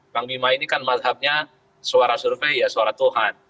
kang bima ini kan mazhabnya suara survei ya suara tuhan